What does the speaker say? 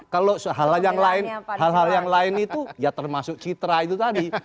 kalau hal hal yang lain itu ya termasuk citra itu tadi